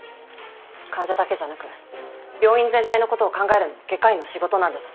患者だけじゃなく病院全体の事を考えるのも外科医の仕事なんです。